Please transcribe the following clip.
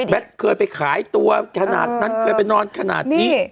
เคยไปขายตัวขนาดนั้นเคยไปนอนขนาดนี้